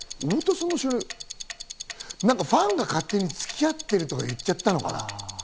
ファンが勝手につき合ってるとか言っちゃったのかな？